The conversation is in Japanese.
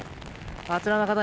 あちらの方